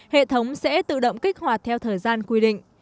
hệ thống sẽ tự động kích hoạt theo thời gian quy định